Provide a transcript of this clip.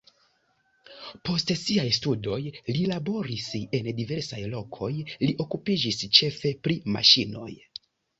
Post siaj studoj li laboris en diversaj lokoj, li okupiĝis ĉefe pri maŝinoj.